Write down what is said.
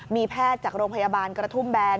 มีแพทย์จากโรงพยาบาลกระทุ่มแบน